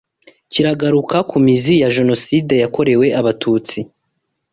kigaruka ku mizi ya Jenoside yakorewe Abatutsi